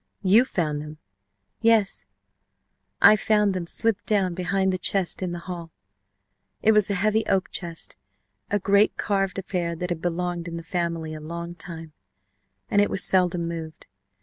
"You found them?" "Yes, I found them slipped down behind the chest in the hall. It was a heavy oak chest, a great carved affair that had belonged in the family a long time, and it was seldom moved.